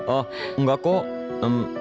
oh enggak kok